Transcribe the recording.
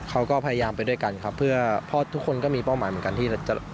เขาก็พยายามไปด้วยกันครับเพื่อเพราะทุกคนก็มีเป้าหมายเหมือนกันที่จะ